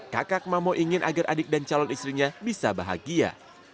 kakak mamo ingin agar adik dan calon istrinya bisa bahagia